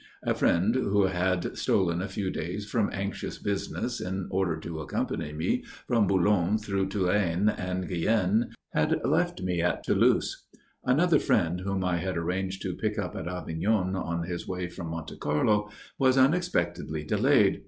A friend who had stolen a few days from anxious business in order to accompany me from Boulogne through Touraine and Guienne had left me at Toulouse; another friend whom I had arranged to pick up at Avignon on his way from Monte Carlo was unexpectedly delayed.